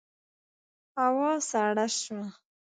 هوا سړه شوه.